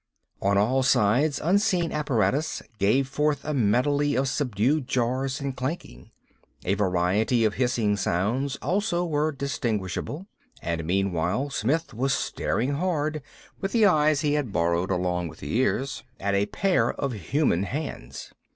On all sides unseen apparatus gave forth a medley of subdued jars and clankings. A variety of hissing sounds also were distinguishable. And meanwhile Smith was staring hard, with the eyes he had borrowed along with the ears, at a pair of human hands.